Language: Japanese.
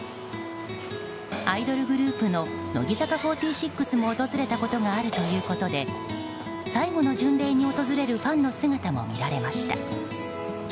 アイドルグループの乃木坂４６も訪れたことがあるということで最後の巡礼に訪れるファンの姿も見られました。